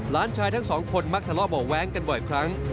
หลานชายทั้งสองคนมักทะเลาะเบาะแว้งกันบ่อยครั้ง